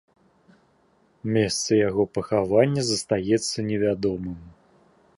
Месца яго пахавання застаецца невядомым.